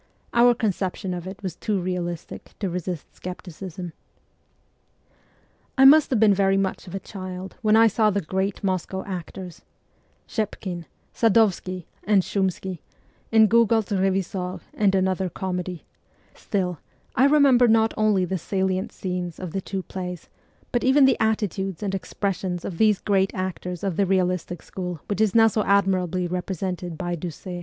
Our conception of it was too realistic to resist scepticism. I must have been very much of a child when I saw the great Moscow actors : Schepkin, Sadovskiy, and Shumski, in Gogol's Revisor and another comedy ; still, I remember not only the salient scenes of the two plays, but even the attitudes and expressions of these great actors of the realistic school which is now so 26 MEMOIRS OF A REVOLUTIONIST admirably represented by Duse.